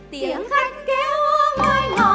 tiếng khách kêu ôi